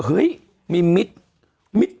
โฮ้ยมิตร